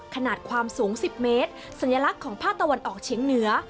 ขนาดความสูง๑๐เมตรสัญลักษณ์ของภาคตะวันออกเฉียงเหนือ